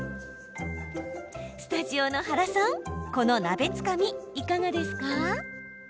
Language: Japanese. スタジオの原さん、この鍋つかみいかがですか？